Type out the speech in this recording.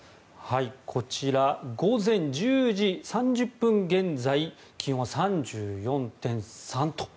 こちら、午前１０時３０分現在気温は３４．３と。